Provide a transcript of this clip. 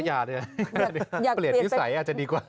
อยากเปลี่ยนดีกว่า